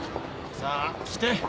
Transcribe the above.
さぁ来て。